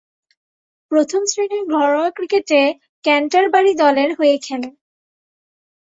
প্রথম-শ্রেণীর ঘরোয়া ক্রিকেটে ক্যান্টারবারি দলের হয়ে খেলেন।